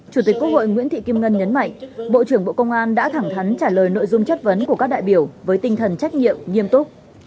chủ tịch quốc hội nguyễn thị kim ngân nhấn mạnh bộ trưởng bộ công an đã thẳng thắn trả lời nội dung chất vấn của các đại biểu với tinh thần trách nhiệm nghiêm túc